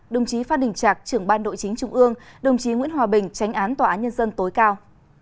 đồng chí phát đình trạc trưởng ban đội chính trung ương đồng chí nguyễn hòa bình tránh án tòa án nhân dân tối cao